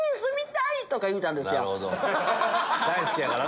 大好きやから。